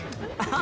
あ。